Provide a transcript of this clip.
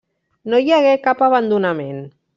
No hi hagué cap abandonament.